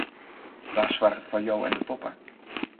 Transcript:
Wa soarget foar jo en de poppe?